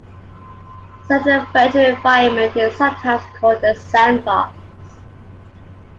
Such a virtual environment is sometimes called a sandbox.